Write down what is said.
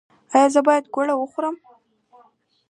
ایا زه باید ګوړه وخورم؟